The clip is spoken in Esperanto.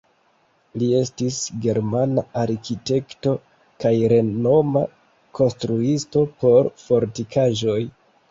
Li estis germana arkitekto kaj renoma konstruisto por fortikaĵoj.